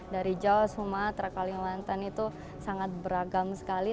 dari jawa sumatera kalimantan itu sangat beragam sekali